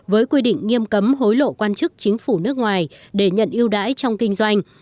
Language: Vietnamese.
với quy định nghiêm cấm hối lộ quan chức chính phủ nước ngoài để nhận ưu đãi trong kinh doanh